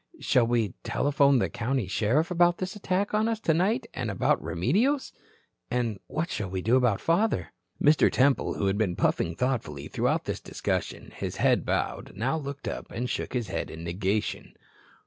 Shall we, telephone the county sheriff about this attack on us tonight and about Remedios? And what shall we do about father?" Mr. Temple who had been puffing thoughtfully throughout this discussion, his head bowed, now looked up, and shook his head in negation.